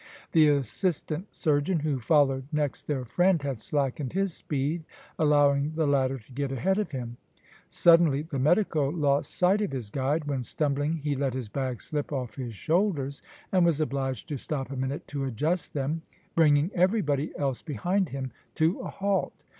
The assistant surgeon, who followed next their friend, had slackened his speed, allowing the latter to get ahead of him. Suddenly the medico lost sight of his guide, when stumbling he let his bags slip off his shoulders, and was obliged to stop a minute to adjust them, bringing everybody else behind him to a halt.